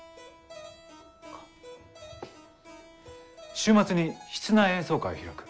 週末に室内演奏会を開く。